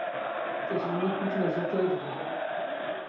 ⵜⴰⵙⵍⵎⴰⴷⵜ ⵏ ⵜⵎⴰⵣⵉⵖⵜ ⴰⵢⴷ ⴳⵉⵖ.